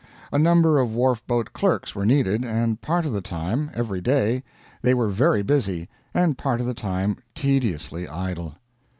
A number of wharfboat clerks were needed, and part of the time, every day, they were very busy, and part of the time tediously idle.